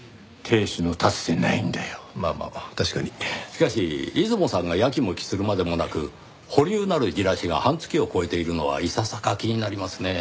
しかし出雲さんがやきもきするまでもなく保留なる焦らしが半月を超えているのはいささか気になりますねぇ。